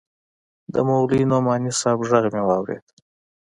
د مولوي نعماني صاحب ږغ مې واورېد.